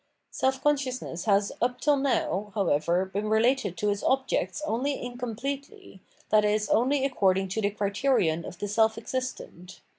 Self consciousness has up tiU now, however, been related to its objects only incompletely, viz. only according to the criterion of the self existent.